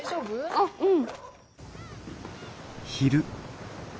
あっうん。